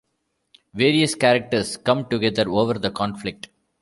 Various characters come together over the conflict.